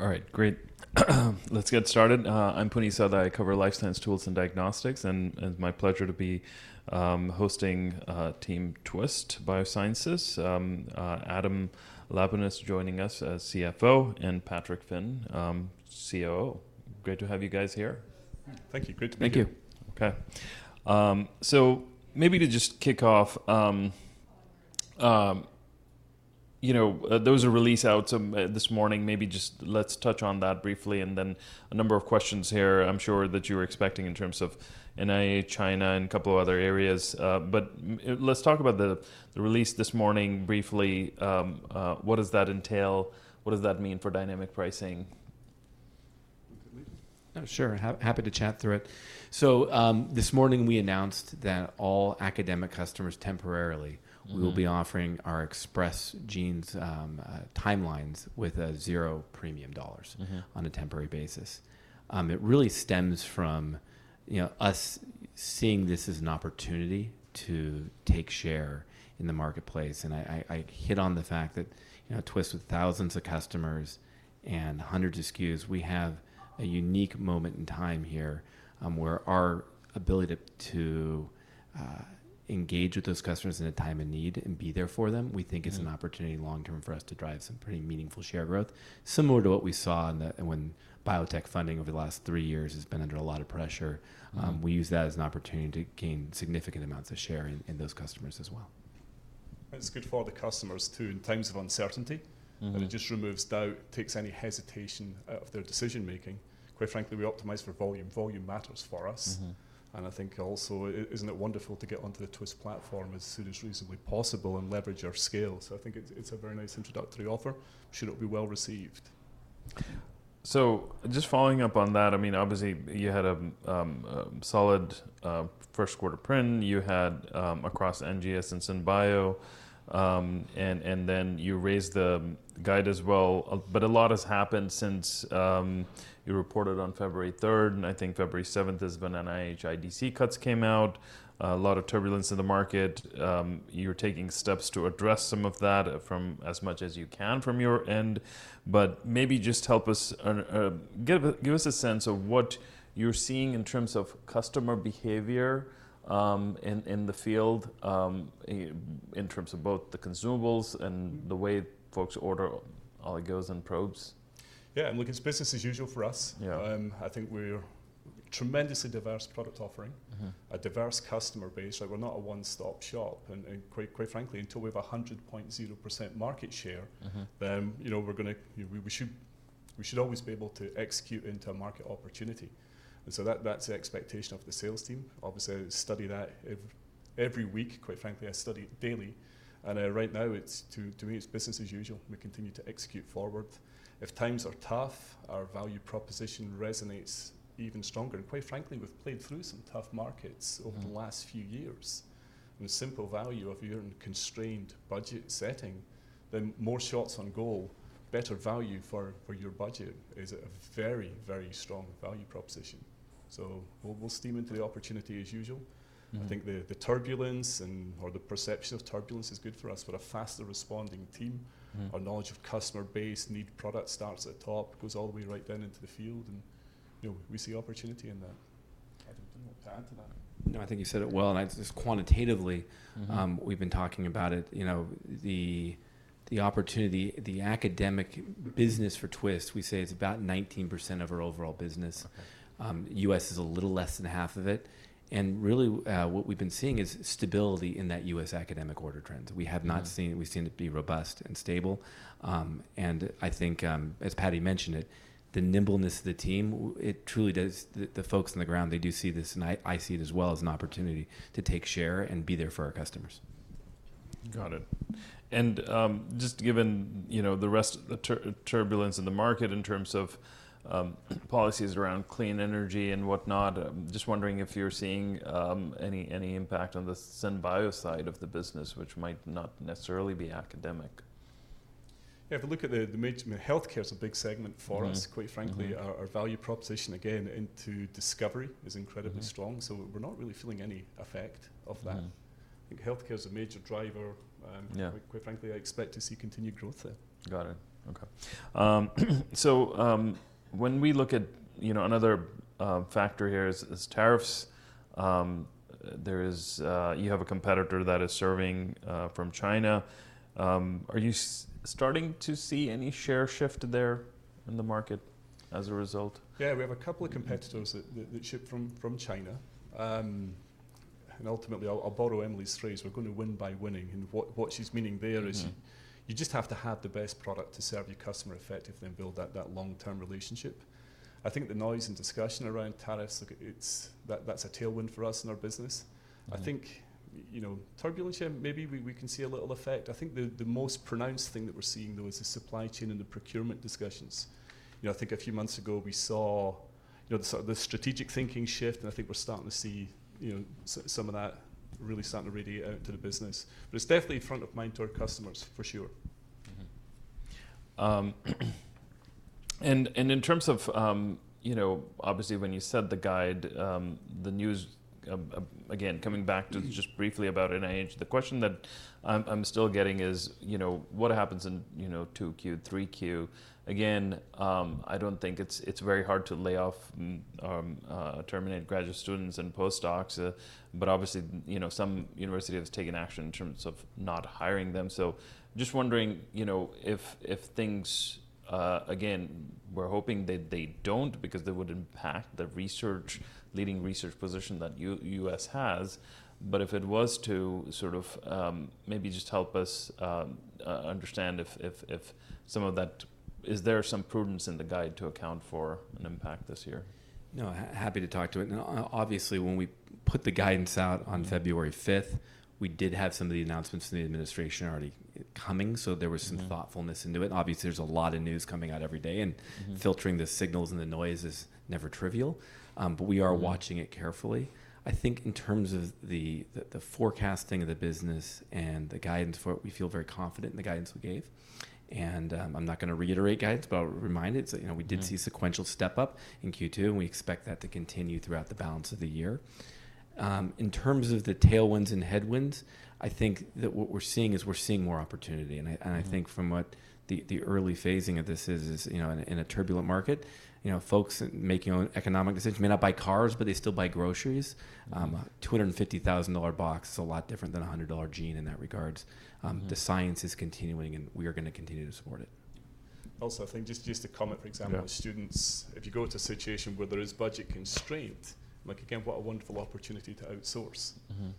All right, great. Let's get started. I'm Puneet Souda. I cover life science tools and diagnostics, and it's my pleasure to be hosting Team Twist Bioscience. Adam Laponis joining us as CFO, and Patrick Finn, COO. Great to have you guys here. Thank you. Great to be here. Thank you. OK. So maybe to just kick off, you know those are release out some this morning. Maybe just let's touch on that briefly, and then a number of questions here I'm sure that you were expecting in terms of NIH, China, and a couple of other areas. But let's talk about the release this morning briefly. What does that entail? What does that mean for dynamic pricing? Sure. Happy to chat through it. So this morning we announced that all academic customers temporarily will be offering our Express Genes timelines with zero premium dollars on a temporary basis. It really stems from you know us seeing this as an opportunity to take share in the marketplace. And I hit on the fact that Twist, with thousands of customers and hundreds of SKUs, we have a unique moment in time here where our ability to engage with those customers in a time of need and be there for them, we think is an opportunity long term for us to drive some pretty meaningful share growth, similar to what we saw when biotech funding over the last three years has been under a lot of pressure. We use that as an opportunity to gain significant amounts of share in those customers as well. It's good for the customers too, in times of uncertainty. It just removes doubt, takes any hesitation out of their decision making. Quite frankly, we optimize for volume. Volume matters for us. And I think also, isn't it wonderful to get onto the Twist platform as soon as reasonably possible and leverage our scale? So I think it's a very nice introductory offer. Should it be well received? So just following up on that, I mean, obviously you had a solid Q1 print. You had across NGS and SynBio. And and and you raised the guide as well. But a lot has happened since you reported on February 3. I think February 7 has been IDC cuts came out, a lot of turbulence in the market. You're taking steps to address some of that from as much as you can from your end. Maybe just help us give us a sense of what you're seeing in terms of customer behavior in the field, in terms of both the consumables and the way folks order oligos and probes. Yeah. I mean, it's business as usual for us. I think we're a tremendously diverse product offering, a diverse customer base. We're not a one-stop shop. And quite frankly, until we have 100.0% market share, then we should always be able to execute into a market opportunity. So that's the expectation of the sales team. Obviously, I study that every week. Quite frankly, I study it daily. And then right now, it's to me, it's business as usual. We continue to execute forward. As times are tough, our value proposition resonates even stronger. Quite frankly, we've played through some tough markets over the last few years. A simple value of your constrained budget setting, then more shots on goal, better value for your budget is a very, very strong value proposition. So we will steam into the opportunity as usual. I think the turbulence, or the perception of turbulence, is good for us. But a faster responding team, our knowledge of customer base, need product starts at the top, goes all the way right down into the field. And you know we see opportunity in that. Adam, do you want to add to that? No, I think you said it well. I just quantitatively, we've been talking about it. You know the opportunity, the academic business for Twist, we say it's about 19% of our overall business. The U.S. is a little less than half of it. And really, what we've been seeing is stability in that U.S. academic order trends. So we have not seen it. We've seen it be robust and stable. And I think, as Patty mentioned it, the nimbleness of the team, it truly does. The folks on the ground, they do see this. And I see it as well as an opportunity to take share and be there for our customers. Got it. And just given you know the rest of the turbulence in the market in terms of policies around clean energy and whatnot, just wondering if you're seeing any impact on the SynBio side of the business, which might not necessarily be academic. Yeah. If you look at the mix, health care is a big segment for us. Quite frankly, our value proposition, again, into discovery is incredibly strong. So we're not really feeling any effect of that. I think health care is a major driver. Quite frankly, I expect to see continued growth there. Got it. OK. So when we look at you know another factor here is tariffs. There is you have a competitor that is serving from China. Are you starting to see any share shift there in the market as a result? Yeah. We have a couple of competitors that ship from China. Ultimately, I'll borrow Emily's phrase, we're going to win by winning. What she's meaning there is you just have to have the best product to serve your customer effectively and build that long-term relationship. I think the noise and discussion around tariffs, it's that's a tailwind for us in our business. I think you know turbulence, yeah, maybe we can see a little effect. I think the most pronounced thing that we're seeing, though, is the supply chain and the procurement discussions. You know I think a few months ago, we saw the strategic thinking shift. And I think we're starting to see some of that really starting to radiate out to the business. It's definitely front of mind to our customers, for sure. In and in terms of, obviously, when you said the guide, the news, again, coming back to just briefly about NIH, the question that I'm still getting is, you know what happens in 2Q, 3Q? Again I don't think it's very hard to lay off, terminate graduate students and postdocs. But obviously you know, some university has taken action in terms of not hiring them. So just wondering you know if if things, again, we're hoping that they don't because they would impact the research leading research position that the U.S. has. But if it was to sort of maybe just help us understand if some of that, is there some prudence in the guide to account for an impact this year? No, happy to talk to it. Obviously, when we put the guidance out on February 5, we did have some of the announcements in the administration already coming. So there was some thoughtfulness into it. Obviously, there's a lot of news coming out every day. And filtering the signals and the noise is never trivial. We are watching it carefully. I think in terms of the forecasting of the business and the guidance, we feel very confident in the guidance we gave. And I'm not going to reiterate guidance, but I'll remind it. So you know we did see sequential step up in Q2. We expect that to continue throughout the balance of the year. In terms of the tailwinds and headwinds, I think that what we're seeing is we're seeing more opportunity. And I think from what the early phasing of this is, in a turbulent market, you know folks making economic decisions may not buy cars, but they still buy groceries. A $250,000 box is a lot different than a $100 gene in that regards. The science is continuing. And we are going to continue to support it. Also, I think just to comment, for example, with students, if you go to a situation where there is budget constraint, again, what a wonderful opportunity to outsource.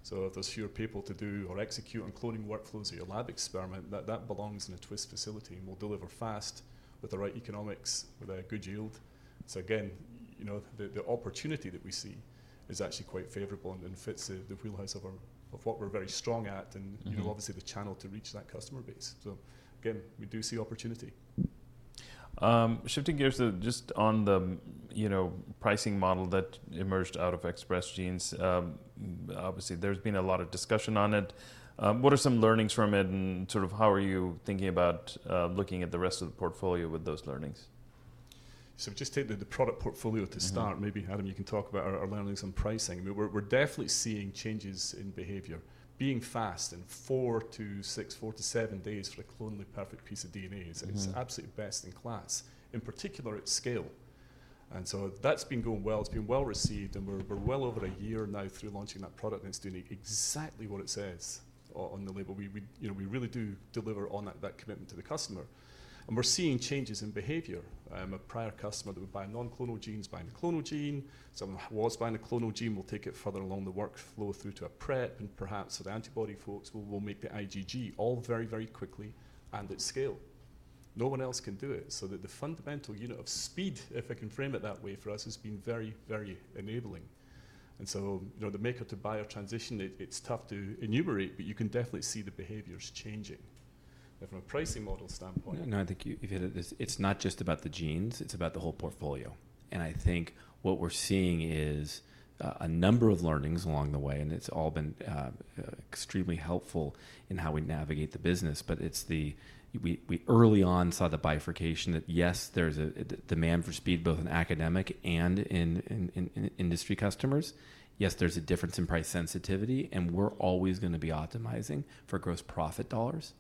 If there are fewer people to do or execute on cloning workflows at your lab experiment, that belongs in a Twist facility. We will deliver fast with the right economics, with a good yield. So again you know the opportunity that we see is actually quite favorable and then fits the wheelhouse of what we are very strong at, and obviously the channel to reach that customer base. So again we do see opportunity. Shifting gears just on the you know pricing model that emerged out of Express Genes. Obviously, there's been a lot of discussion on it. What are some learnings from it? And sort of how are you thinking about looking at the rest of the portfolio with those learnings? So just take the product portfolio to start. Maybe, Adam, you can talk about our learnings on pricing. We're definitely seeing changes in behavior. Being fast in four to six, four to seven days for a clonally perfect piece of DNA is absolutely best in class, in particular at scale. And so that's been going well. It has been well received. We're well over a year now through launching that product. And It's still exactly what it says on the label. You know we really do deliver on that commitment to the customer. And we're seeing changes in behavior. I am a prior customer that would buy a non-clonal gene is buying a clonal gene. Someone who was buying a clonal gene will take it further along the workflow through to a prep. Perhaps for the antibody folks, we'll make the IgG all very, very quickly and at scale. No one else can do it. So the fundamental unit of speed, if I can frame it that way, for us has been very, very enabling. And so you know the maker-to-buyer transition, it's tough to enumerate. You can definitely see the behaviors changing. From a pricing model standpoint. No, I think it's not just about the genes. It's about the whole portfolio. And I think what we're seeing is a number of learnings along the way. And it's all been extremely helpful in how we navigate the business. But it's the, we early on, saw the bifurcation that, yes, there's a demand for speed both in academic and in industry customers. Yes, there's a difference in price sensitivity. And we're always going to be optimizing for gross profit dollars.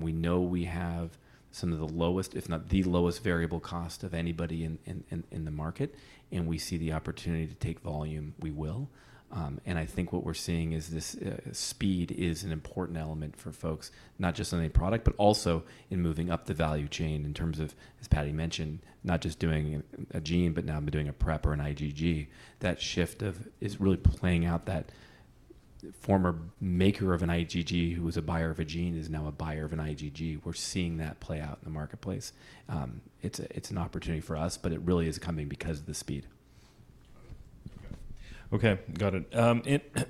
We know we have some of the lowest, if not the lowest, variable cost of anybody in the market. And we see the opportunity to take volume. We will. And I think what we're seeing is this speed is an important element for folks, not just on a product, but also in moving up the value chain in terms of, as Patty mentioned, not just doing a gene, but now I'm doing a prep or an IgG. That shift is really playing out. That former maker of an IgG who was a buyer of a gene is now a buyer of an IgG. We're seeing that play out in the marketplace. It's an opportunity for us. But it really is coming because of the speed. OK. Got it.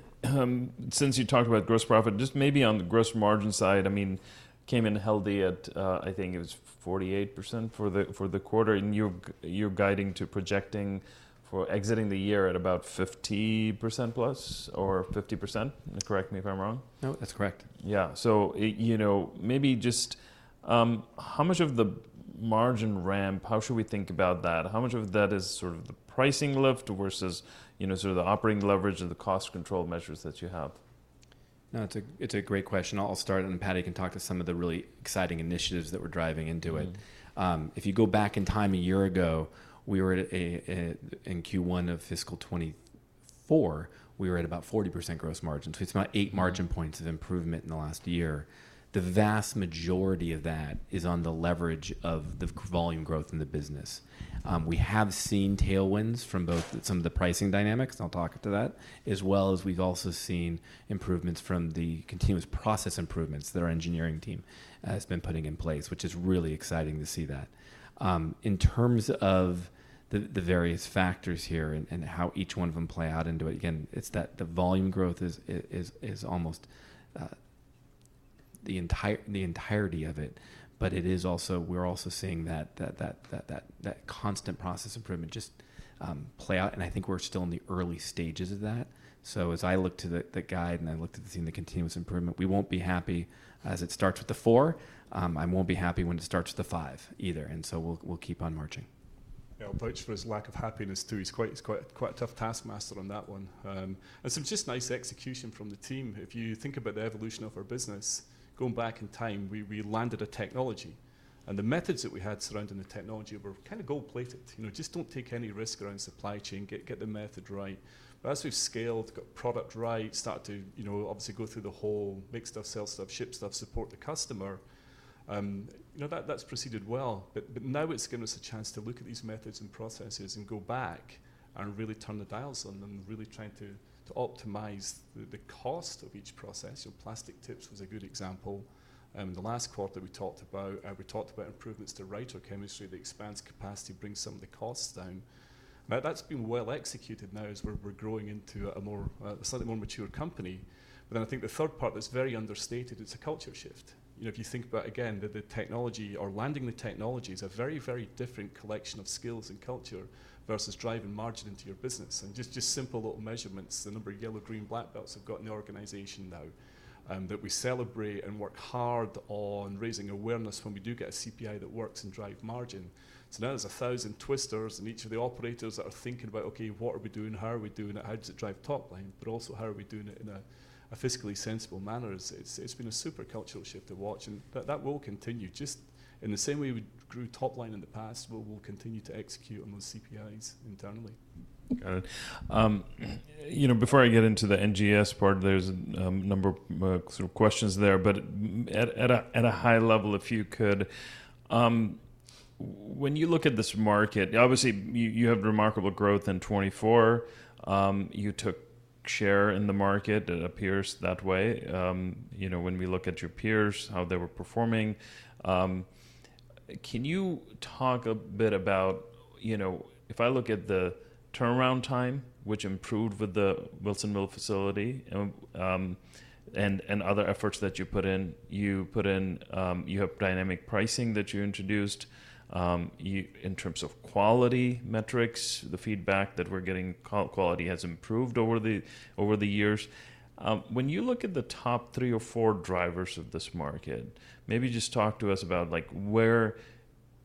Since you talked about gross profit, just maybe on the gross margin side, I mean, came in healthy at, I think it was 48% for the for the quarter. And you're guiding to projecting for exiting the year at about 50% plus or 50%? Correct me if I'm wrong. No, that's correct. Yeah. So you know maybe maybe just how much of the margin ramp, how should we think about that? How much of that is sort of the pricing lift versus you know sort of the operating leverage and the cost control measures that you have? No, it's a great question. I'll start. And then Patty can talk to some of the really exciting initiatives that we're driving into it. If you go back in time a year ago, we're in Q1 of fiscal 2024, we were at about 40% gross margin. It's about eight margin points of improvement in the last year. The vast majority of that is on the leverage of the volume growth in the business. We have seen tailwinds from both some of the pricing dynamics, and I'll talk to that, as well as we've also seen improvements from the continuous process improvements that our engineering team has been putting in place, which is really exciting to see that. In terms of the various factors here and how each one of them play out into it, again, it's that the volume growth is almost the entirety of it. But it is also we're also seeing that that that constant process improvement just play out. And I think we're still in the early stages of that. So as I look to the guide and I look to the continuous improvement, we won't be happy as it starts with the four. I won't be happy when it starts with the five either. And so we'll keep on marching. I'll pledge for his lack of happiness, too. He's quite a tough taskmaster on that one. Some just nice execution from the team. If you think about the evolution of our business, going back in time, we landed a technology. And the methods that we had surrounding the technology were kind of gold-plated. Just do not take any risk around supply chain. Get the method right. As we have scaled, got product right, started to you know obviously go through the whole, make stuff, sell stuff, ship stuff, support the customer, you know that that has proceeded well. That was given us a chance to look at these methods and processes and go back and really turn the dials on them, really trying to optimize the cost of each process. So plastic tips was a good example. And the last quarter that we talked about, we talked about improvements to writer chemistry that expands capacity, brings some of the costs down. That's been well executed now as we're growing into a more slightly more mature company. And I think the third part that's very understated, it's a culture shift. You know if you think about, again, that the technology, or landing the technology is a very, very different collection of skills and culture versus driving margin into your business. And just just simple little measurements, the number of yellow, green, black belts we've got in the organization now that we celebrate and work hard on raising awareness when we do get a CPI that works and drive margin. Now there's 1,000 twisters. And each of the operators that are thinking about, OK, what are we doing? How are we doing it? How does it drive top line? But also how are we doing that in a fiscally sensible manner? It's it's been a super cultural shift to watch. But that will continue just in the same way we grew top line in the past, we'll continue to execute on those CPIs internally. Got it. You know before I get into the NGS part, there's a number of questions there. But at a high level, if you could, when you look at this market, obviously, you have remarkable growth in 2024. You took share in the market. It appears that way you know when we look at your peers, how they were performing. Can you talk a bit about, you know if I look at the turnaround time, which improved with the Wilsonville facility and other efforts that you put in, you put in you have dynamic pricing that you introduced in terms of quality metrics, the feedback that we're getting, quality has improved over the years. When you look at the top three or four drivers of this market, maybe just talk to us about like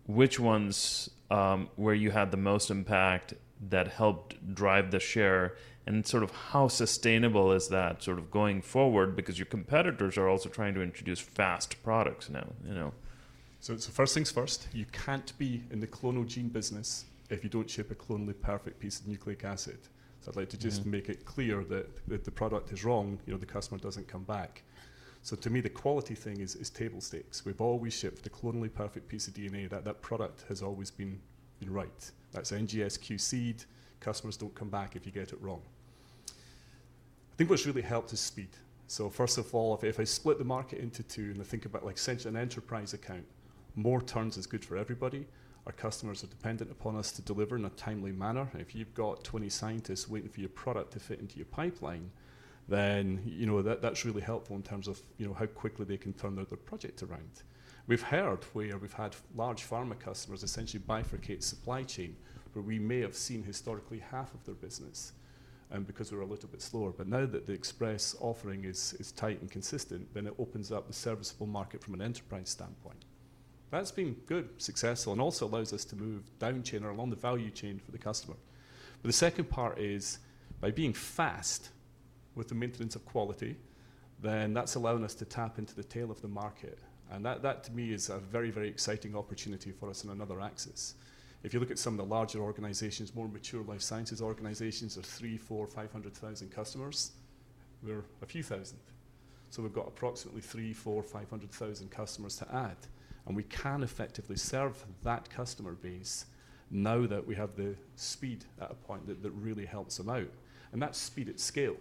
which ones where you had the most impact that helped drive the share. And sort of how sustainable is that sort of going forward? Because your competitors are also trying to introduce fast products now. So first things first, you can't be in the clonal gene business if you don't ship a clonally perfect piece of nucleic acid. So I'd like to just make it clear that the product is wrong, you know the customer doesn't come back. So to me, the quality thing is table stakes. We've always shipped a clonally perfect piece of DNA. That product has always been right. That's NGS QC'd. Customers don't come back if you get it wrong. I think what's really helped is speed. So first of all, if I split the market into two, and I think about an enterprise account, more turns is good for everybody. Our customers are dependent upon us to deliver in a timely manner. If you've got 20 scientists waiting for your product to fit into your pipeline, then you really that's really helpful in terms of you know how quickly they can turn their project around. We've heard where we've had large pharma customers essentially bifurcate supply chain, where we may have seen historically half of their business because we were a little bit slower. But then to the express offering is tight and consistent, then it opens up the serviceable market from an enterprise standpoint. That's been good, successful, and also allows us to move down chain or along the value chain for the customer. But the second part is, by being fast with the maintenance of quality, that's allowing us to tap into the tail of the market. And that, to me, is a very, very exciting opportunity for us in another axis. If you look at some of the larger organizations, more mature life sciences organizations are 300,000, 400,000, 500,000 customers. We're a few thousand. So we've got approximately 300,000, 400,000, 500,000 customers to add. And we can effectively serve that customer base now that we have the speed at a point that really helps them out. And that is speed at scale.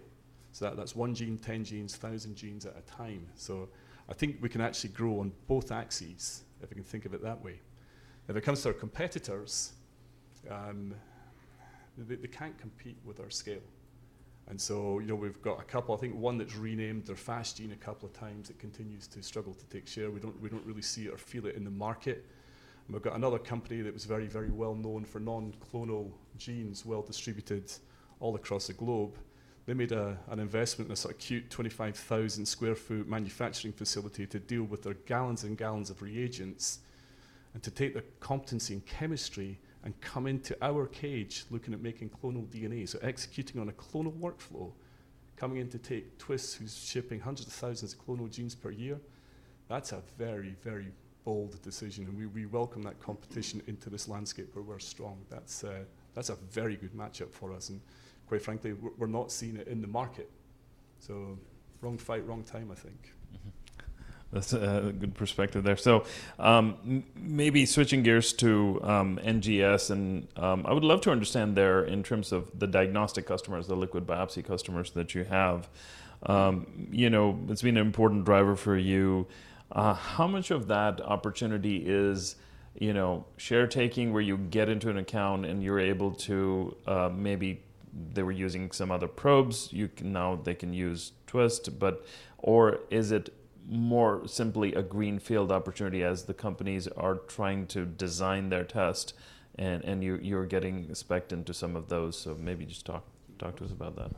So that is one gene, 10 genes, 1,000 genes at a time. So I think we can actually grow on both axes, if we can think of it that way. If it comes to our competitors, they can't compete with our scale. And so we've got a couple, I think one that's renamed their fast gene a couple of times. It continues to struggle to take share. We don't really see it or feel it in the market. We have another company that was very, very well known for non-clonal genes, well distributed all across the globe. They made an investment in a sort of cute 25,000 sq ft manufacturing facility to deal with their gallons and gallons of reagents and to take the competency in chemistry and come into our cage looking at making clonal DNA. So executing on a clonal workflow, coming in to take Twist, who's shipping hundreds of thousands of clonal genes per year, that is a very, very bold decision. And we welcome that competition into this landscape where we are strong. That's that's a very good matchup for us. And quite frankly, we are not seeing it in the market. So wrong fight, wrong time, I think. That's a good perspective there. So maybe switching gears to NGS and I would love to understand there in terms of the diagnostic customers, the liquid biopsy customers that you have. You know it's been an important driver for you. How much of that opportunity is you know share taking where you get into an account and you're able to, maybe they were using some other probes, you can now they can use Twist. Or is it more simply a greenfield opportunity as the companies are trying to design their test and and you're getting spec'd into some of those? Maybe just talk to us about that.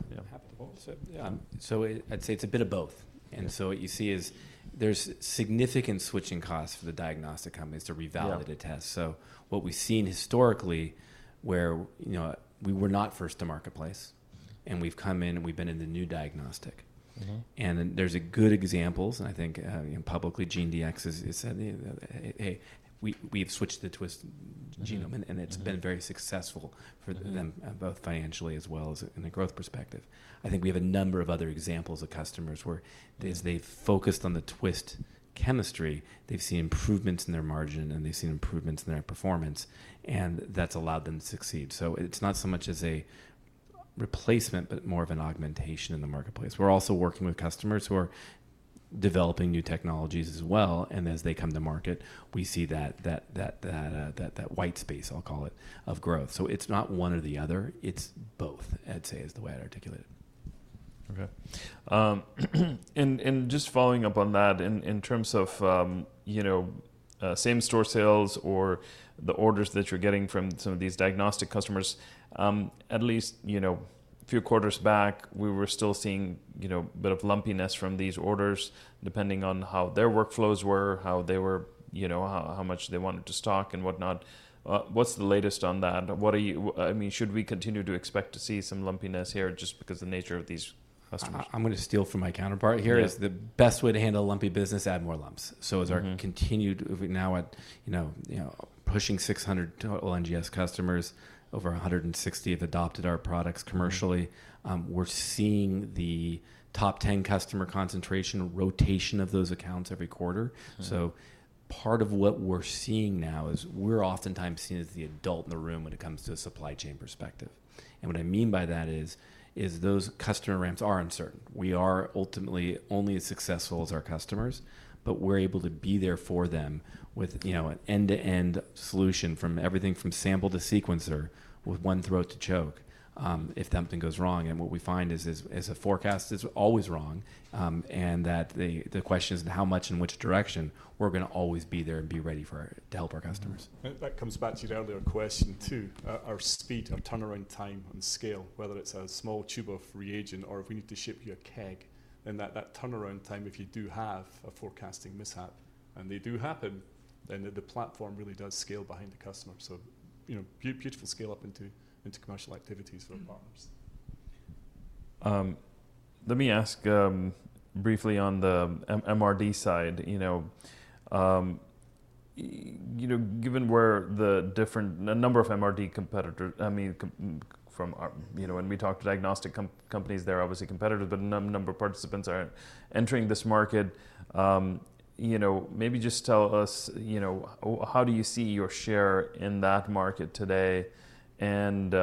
Yeah. So I'd say it's a bit of both. And so you see is there's significant switching costs for the diagnostic companies to revalidate a test. So what we've seen historically where you know we were not first to marketplace, and we've come in, and we've been in the new diagnostic. And then there's good examples. I think publicly, GeneDx has said, hey, we've switched to the Twist genome, and it's been very successful for them, both financially as well as in a growth perspective. I think we have a number of other examples of customers where as they've focused on the Twist chemistry, they've seen improvements in their margin, and they've seen improvements in their performance, and that's allowed them to succeed. So it's not so much as a replacement, but more of an augmentation in the marketplace. We're also working with customers who are developing new technologies as well. And as they come to market, we see that that that that white space, I'll call it, of growth. So it's not one or the other. It's both, I'd say, is the way I'd articulate it. OK. And just following up on that, in terms of you know same store sales or the orders that you're getting from some of these diagnostic customers, at least you know few quarters back, we were still seeing a bit of lumpiness from these orders, depending on how their workflows were, how they were you know much they wanted to stock and whatnot. What's the latest on that? What are you, I mean, should we continue to expect to see some lumpiness here just because of the nature of these customers? I'm going to steal from my counterpart here. The best way to handle lumpy business, add more lumps. So as our continued to now at you know pushing 600 NGS customers, over 160 have adopted our products commercially. We're seeing the top 10 customer concentration rotation of those accounts every quarter. So part of what we're seeing now is we're oftentimes seen as the adult in the room when it comes to a supply chain perspective. And what I mean by that is those customer ramps are uncertain. We are ultimately only as successful as our customers. But we're able to be there for them with you know an end-to-end solution from everything from sample to sequencer with one throat to choke if something goes wrong. And what we find is as a forecast, it's always wrong. The question is how much and which direction. We're going to always be there and be ready to help our customers. That comes back to your earlier question, too, our speed, our turnaround time on scale, whether it's a small tube of reagent or if we need to ship you a keg, and that turnaround time, if you do have a forecasting mishap, and they do happen, then the platform really does scale behind the customer. So you know beautiful scale-up into commercial activities for our partners. Let me ask briefly on the MRD side. You know given where the different number of MRD competitors, I mean, from our, you know when we talk to diagnostic companies, they're obviously competitors. The number of participants are entering this market. You know maybe just tell us, you know how do you see your share in that market today? And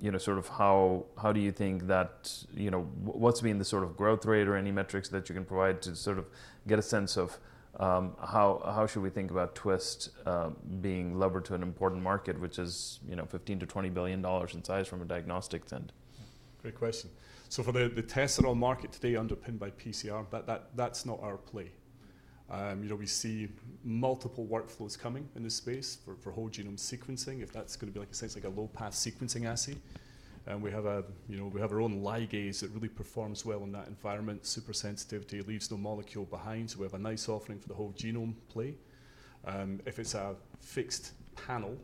you know sort of how, how do you think that you know what's been the sort of growth rate or any metrics that you can provide to sort of get a sense of how how should we think about Twist being levered to an important market, which is you know $15 billion-$20 billion in size from a diagnostic end? Great question. So for the testing market today, underpinned by PCR, that's not our play. You know we see multiple workflows coming in this space for whole genome sequencing, if that's going to be like a low-pass sequencing assay. And we have a you know we have our own ligase that really performs well in that environment, super sensitivity, leaves no molecule behind. So we have a nice offering for the whole genome play. If it's a fixed panel,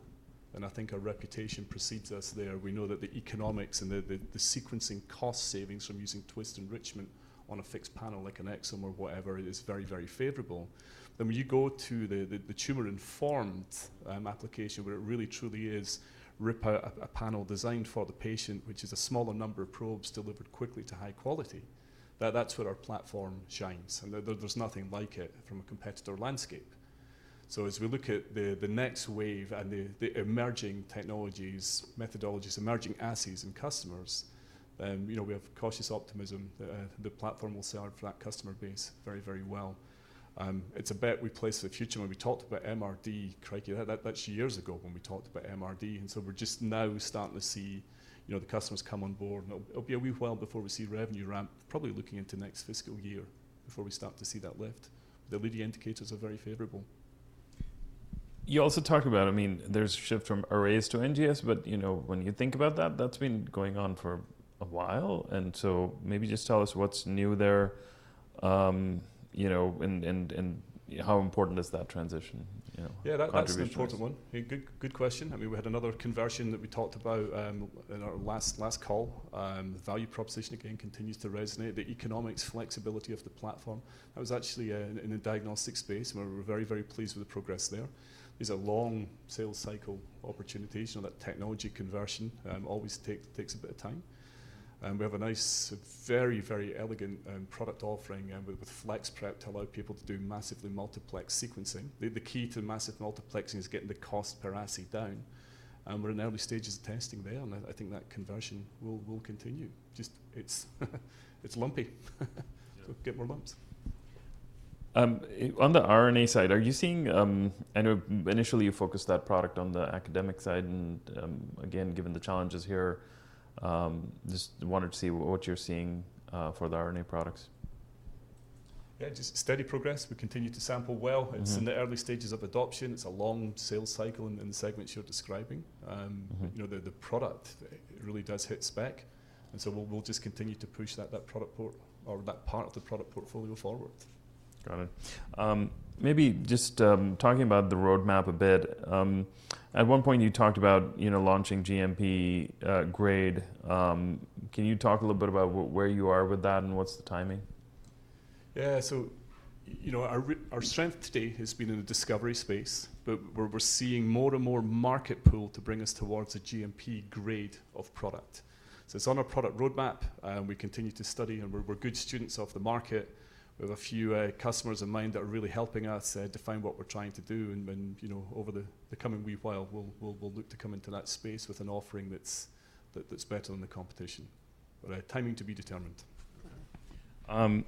and I think our reputation precedes us there, we know that the economics and the sequencing cost savings from using Twist enrichment on a fixed panel like an Exome or whatever is very, very favorable. Then you go to the tumor informed application, where it really, truly is rip out a panel designed for the patient, which is a smaller number of probes delivered quickly to high quality, that's where our platform shines. There is nothing like it from a competitor landscape. So as we look at the next wave and the emerging technologies, methodologies, emerging assays and customers, we you know have cautious optimism that the platform will serve for that customer base very, very well. It's a bet we place in the future. When we talked about MRD, correctly, that is years ago when we talked about MRD. And so we are just now starting to see you know the customers come on board. It will be a wee while before we see revenue ramp, probably looking into next fiscal year before we start to see that lift. The leading indicators are very favorable. You also talk about, I mean, there's a shift from Arrays to NGS. But you know when you think about that, that's been going on for a while. And so maybe just tell us what's new there and you know how important is that transition you know contribution? Yeah, that's an important one. Good question. I mean, we had another conversion that we talked about in our last last call. And value proposition again continues to resonate, the economics, flexibility of the platform. That was actually in the diagnostic space. We're very, very pleased with the progress there. These are long sales cycle opportunities. And the technology conversion always takes takes a bit of time. We have a nice, very, very elegant product offering with Flex Prep to allow people to do massively multiplex sequencing. The key to massive multiplexing is getting the cost per assay down. And we're in early stages of testing there. I think that conversion will continue. Just it's lumpy. Get more lumps. On the R&D side, are you seeing, I know initially you focused that product on the academic side. Again, given the challenges here, just wanted to see what you're seeing for the R&D products. Yeah, just steady progress. We continue to sample well. It's in the early stages of adoption. It's a long sales cycle in the segments you're describing. You know the the product really does hit spec. And so we will just continue to push that product or that part of the product portfolio forward. Got it. Maybe just talking about the roadmap a bit. At one point, you talked about you know launching GMP grade. Can you talk a little bit about where you are with that and what's the timing? Yeah. So, you know our strength today has been in the discovery space. We're seeing more and more market pull to bring us towards a GMP grade of product. It's on our product roadmap. We continue to study. We're good students of the market. We have a few customers in mind that are really helping us define what we're trying to do. And when you know over the coming week while, we'll look to come into that space with an offering that's better on the competition. Timing to be determined.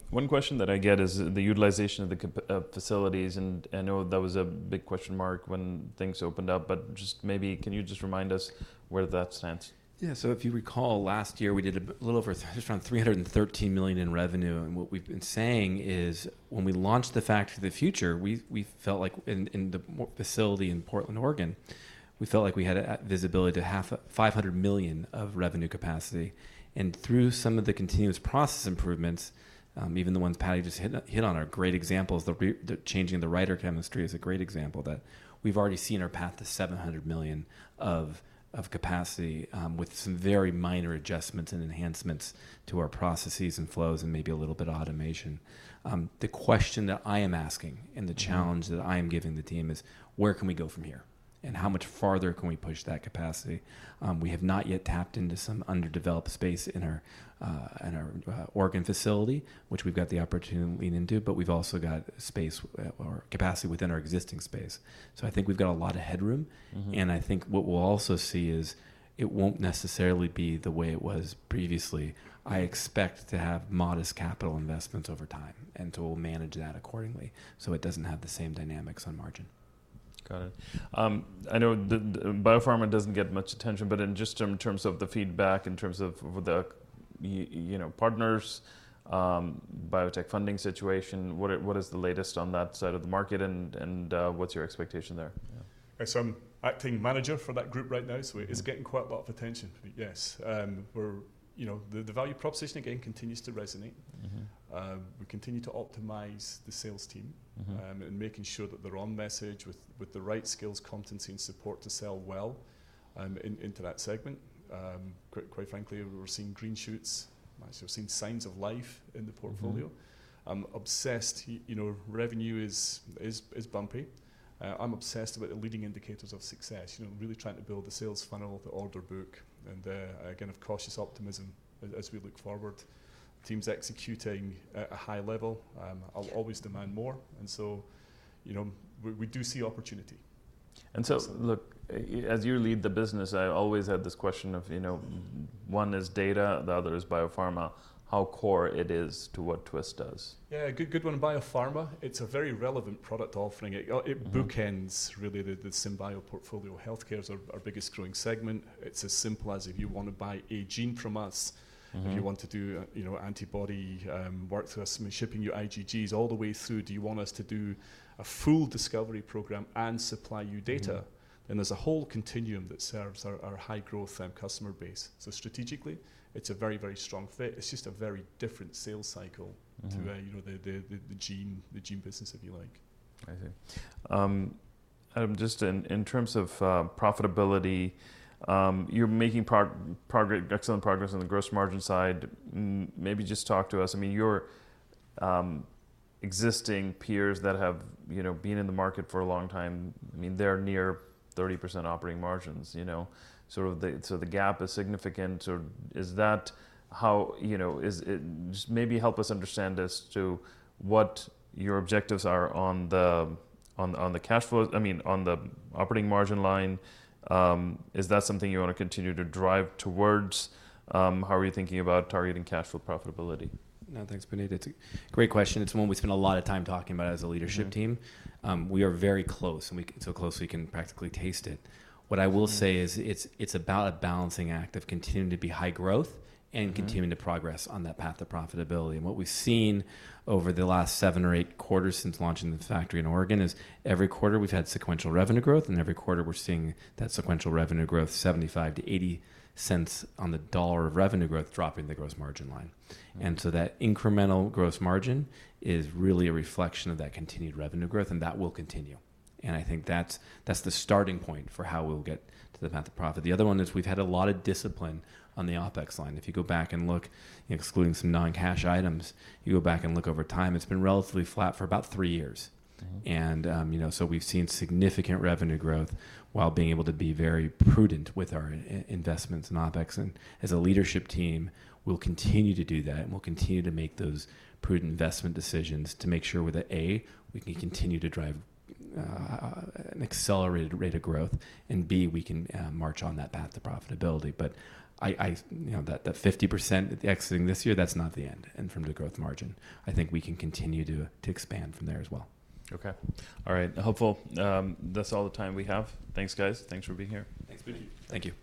One question that I get is the utilization of the facilities. I know that was a big question mark when things opened up. But just maybe can you just remind us where that stands? Yeah so if you recall, last year, we did a little over just around $313 million in revenue. And what we've been saying is when we launched the Factory of the Future, we felt like in the facility in Portland, Oregon, we felt we had a visibility to have a $500 million of revenue capacity. And through some of the continuous process improvements, even the ones Patty just hit on, are great examples. The changing of the writer chemistry is a great example that we've already seen our path to $700 million of capacity with some very minor adjustments and enhancements to our processes and flows and maybe a little bit automation. The question that I am asking and the challenge that I am giving the team is, where can we go from here? And how much farther can we push that capacity? We have not yet tapped into some underdeveloped space in our in our Oregon facility, which we've got the opportunity to lean into. But we've also got space or capacity within our existing space. So I think we've got a lot of headroom. And I think what we'll also see is it won't necessarily be the way it was previously. I expect to have modest capital investments over time. And will manage that accordingly so it does not have the same dynamics on margin. Got it. I know the biopharma doesn't get much attention. But just in terms of the feedback, in terms of the you know partners, biotech funding situation, what is the latest on that side of the market? And and what's your expectation there? Thanks. Acting manager for that group right now. It's getting quite a lot of attention. Yes. For you know the value proposition again continues to resonate. We continue to optimize the sales team and making sure that the wrong message with the right skills, competency, and support to sell well into that segment. But quite frankly, we're seeing green shoots. We're seeing signs of life in the portfolio. Obsessed. You know revenue is is is bumpy. I'm obsessed with the leading indicators of success, you know really trying to build the sales funnel, the order book. And I can of cautious optimism as we look forward. The team's executing at a high level. And I'll always demand more. And so we you know do see opportunity. And so look, as you lead the business, I always had this question of one is data, the other is biopharma, how core it is to what Twist does. Yeah, good one. Biopharma, it's a very relevant product offering. It bookends, really, the SynBio portfolio. Health care is our biggest growing segment. It's as simple as if you want to buy a gene from us, if you want to you know do antibody workflows, shipping your IgGs all the way through, do you want us to do a full discovery program and supply you data? And there's a whole continuum that serves our high-growth customer base. So strategically, it's a very, very strong fit. It's just a very different sales cycle to the gene gene business, if you like. I see. Just in terms of profitability, you're making excellent progress on the gross margin side. Maybe just talk to us. I mean, your existing peers that have you know been in the market for a long time, I mean, they're near 30% operating margins. You know so the gap is significant. Is that how, just maybe help us understand as to what your objectives are on the on the cash flow, I mean, on the operating margin line. Is that something you want to continue to drive towards? How are you thinking about targeting cash flow profitability? No, thanks, Puneet. It's a great question. It's one we spend a lot of time talking about as a leadership team. We are very close. So close, we can practically taste it. What I will say is it's about a balancing act of continuing to be high growth and continuing to progress on that path to profitability. What we've seen over the last seven or eight quarters since launching the factory in Oregon is every quarter, we've had sequential revenue growth. And every quarter, we're seeing that sequential revenue growth, $0.75-$0.80 on the dollar of revenue growth dropping to gross margin line. And so that Incremental Gross Margin is really a reflection of that continued revenue growth. And that will continue. I think that's the starting point for how we'll get to the path of profit. The other one is we've had a lot of discipline on the OpEx line. If you go back and look, excluding some non-cash items, you go back and look over time, it's been relatively flat for about three years. And you know we've seen significant revenue growth while being able to be very prudent with our investments in OpEx. And as a leadership team, we'll continue to do that. And we'll continue to make those prudent investment decisions to make sure with A, we can continue to drive an accelerated rate of growth, and B, we can march on that path to profitability. But I I, that 50% exiting this year, that's not the end. And from the Gross Margin, I think we can continue to expand from there as well. OK. All right. Hopeful. That's all the time we have. Thanks, guys. Thanks for being here. Thanks, Puneet. Thank you.